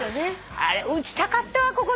あれ打ちたかったわここで。